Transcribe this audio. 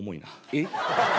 えっ？